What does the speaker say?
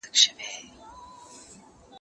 دوی چي ول احمد به ملامت وي